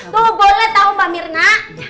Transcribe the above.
tuh boleh tahu mbak mirna